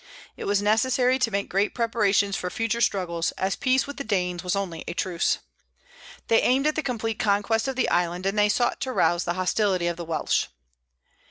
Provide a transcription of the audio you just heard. It was necessary to make great preparations for future struggles, as peace with the Danes was only a truce. They aimed at the complete conquest of the island, and they sought to rouse the hostility of the Welsh.